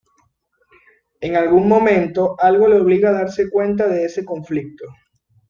En algún momento, algo lo obliga a darse cuenta de ese conflicto.